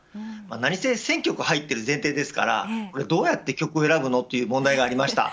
なにせ１０００曲入っている前提ですからどうやって曲を選ぶのという問題がありました。